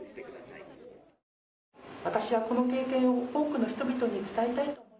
私はこの経験を多くの人々に伝えたい。